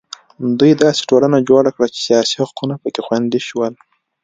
دوی داسې ټولنه جوړه کړه چې سیاسي حقوق په کې خوندي شول.